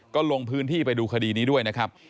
ก็ลงพื้นที่ไปดูคดีนี้ด้วยนะครับ